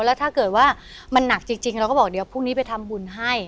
แล้วถ้าเกิดว่ามันหนักจริงเราก็บอกเดี๋ยวพรุ่งนี้ไปทำบุญให้